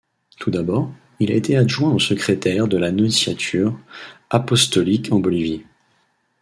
Tout d'abord, il a été adjoint au Secrétaire de la Nonciature apostolique en Bolivie.